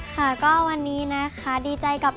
ค่ะก็วันนี้นะคะดีใจกับ